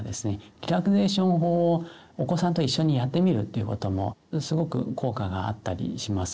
リラクゼーション法をお子さんと一緒にやってみるっていうこともすごく効果があったりします。